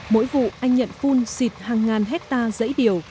mỗi vụ anh nhận phun xịt hàng ngàn hecta rẫy điều